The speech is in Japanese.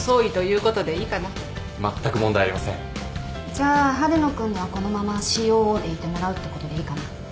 じゃあ春野君にはこのままＣＯＯでいてもらうってことでいいかな？